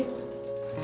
tasya kemana sih